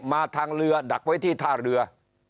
มาทางเรือดักไว้ที่ท่าเรือ